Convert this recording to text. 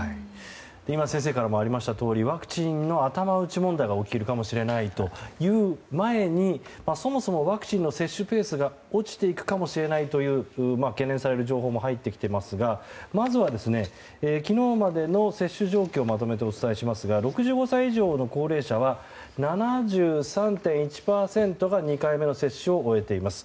今、先生からもありましたとおりワクチンの頭打ち問題が起きるかもしれないという前にそもそもワクチンの接種ケースが落ちてくるかもしれないと懸念される情報も入ってきていますがまずは昨日までの接種状況をまとめてお伝えしますが６５歳以上の高齢者は７３．１％が２回目の接種を終えています。